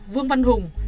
vương văn hùng